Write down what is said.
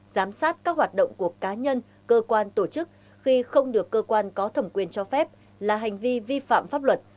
giám sát các hoạt động của cá nhân cơ quan tổ chức khi không được cơ quan có thẩm quyền cho phép là hành vi vi phạm pháp luật